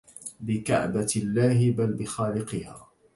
بكعبة الله بل بخالقها